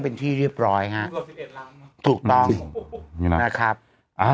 เป็นที่เรียบร้อยฮะถูกต้องนะครับ